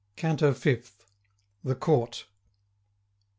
CANTO FIFTH. THE COURT.